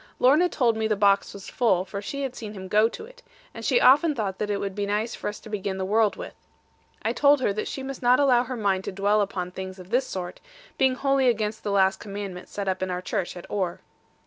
Lorna told me the box was full, for she had seen him go to it, and she often thought that it would be nice for us to begin the world with. I told her that she must not allow her mind to dwell upon things of this sort; being wholly against the last commandment set up in our church at Oare.